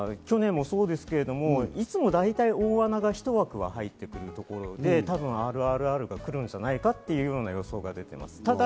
去年もそうなんですけれども、いつも大体、大穴なひと枠が入っているところで、『ＲＲＲ』が来るんじゃないかという予想が出ています。